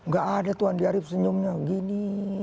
gak ada tuh andy arief senyumnya gini